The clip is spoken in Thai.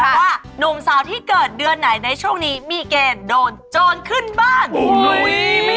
ว่านุ่มสาวที่เกิดเดือนไหนในช่วงนี้มีเกณฑ์โดนโจรขึ้นบ้าน